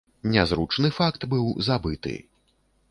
Нязручны факт быў забыты.